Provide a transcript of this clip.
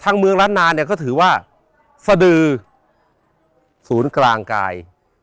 ทั้งเมืองรัฐนาเนี่ยก็ถือว่าศดือศูนย์กลางกาย